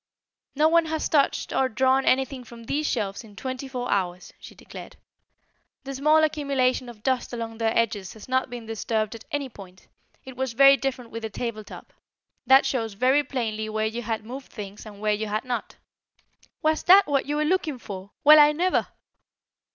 "No one has touched or drawn anything from these shelves in twenty four hours," she declared. "The small accumulation of dust along their edges has not been disturbed at any point. It was very different with the table top. That shows very plainly where you had moved things and where you had not." "Was that what you were looking for? Well, I never!"